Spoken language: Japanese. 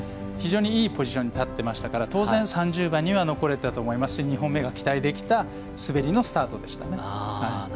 非常にいいポジションに立っていたので当然３０番に残れたと思いますし２本目が期待できた滑りのスタートでした。